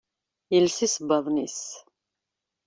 Yelsa isebbaḍen-is.